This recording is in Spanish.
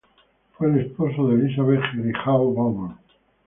Fue el esposo de Elisabeth Jerichau-Baumann.